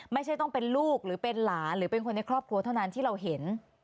ไม่ใช่ต้องเป็นลูกหรือเป็นหลานหรือเป็นคนในครอบครัวเท่านั้นที่เราเห็น